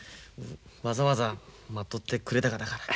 わざわざ待っとってくれたがだから。